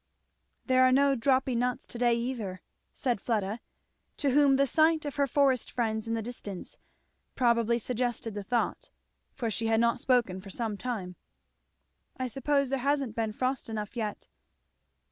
"There are no 'dropping nuts' to day, either," said Fleda, to whom the sight of her forest friends in the distance probably suggested the thought, for she had not spoken for some time. "I suppose there hasn't been frost enough yet."